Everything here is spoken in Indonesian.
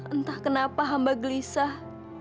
entah kenapa hamba gelisah